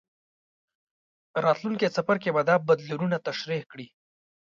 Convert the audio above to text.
راتلونکی څپرکی به دا بدلونونه تشریح کړي.